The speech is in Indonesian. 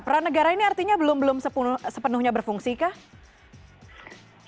peran negara ini artinya belum sepenuhnya berfungsi kah